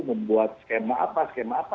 membuat skema apa skema apa